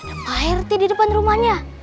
ada pak rt di depan rumahnya